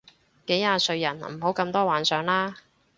幾廿歲人唔好咁多幻想啦